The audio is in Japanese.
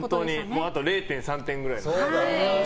あと０．３点ぐらい。